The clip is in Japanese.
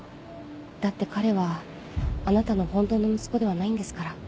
だって彼はあなたの本当の息子ではないんですから